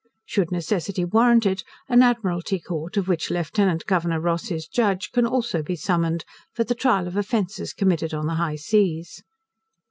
Should necessity warrant it, an Admiralty court, of which Lieutenant Governor Ross is judge, can also be summoned, for the trial of offences committed on the high seas.